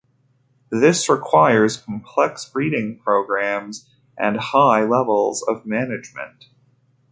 This requires complex breeding programmes and high levels of management.